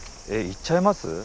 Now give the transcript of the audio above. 行っちゃいます？